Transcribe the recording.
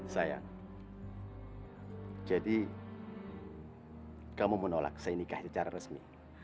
saya jadi kamu menolak saya nikah secara resmi